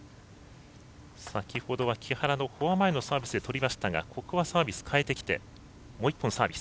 先ほどは木原のフォア前のサービスで取りましたがここはサービス、変えてきてもう１本、サービス。